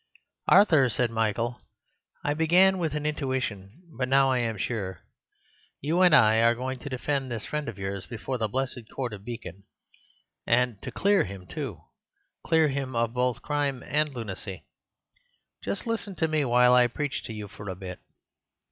"Arthur," said Michael, "I began with an intuition; but now I am sure. You and I are going to defend this friend of yours before the blessed Court of Beacon, and to clear him too—clear him of both crime and lunacy. Just listen to me while I preach to you for a bit."